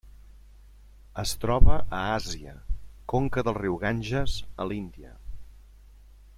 Es troba a Àsia: conca del riu Ganges a l'Índia.